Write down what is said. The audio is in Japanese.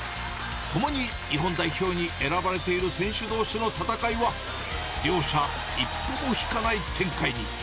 共に日本代表に選ばれている選手どうしの戦いは、両者一歩も引かない展開に。